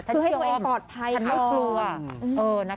เพื่อให้ปลอดภัยครับ